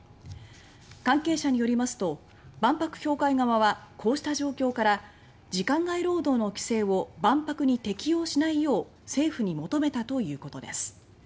関係者によりますと万博協会側はこうした状況から時間外労働の規制を万博に適用しないよう政府に求めたということです。